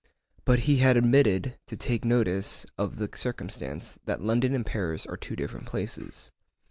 But he had omitted to take notice of the circumstance, that London and Paris are two different places.